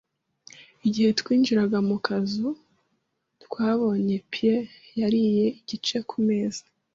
Igihe twinjiraga mu kazu, twabonye pie yariye igice ku meza.